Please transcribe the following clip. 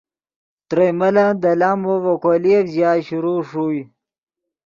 ترئے ملن دے لامو ڤے کولییف ژیا شروع ݰوئے۔